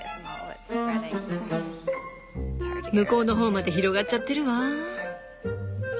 向こうの方まで広がっちゃってるわ。